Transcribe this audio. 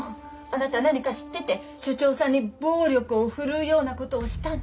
あなた何か知ってて署長さんに暴力を振るうようなことをしたの？